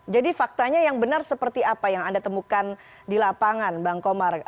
jadi faktanya yang benar seperti apa yang anda temukan di lapangan bang komar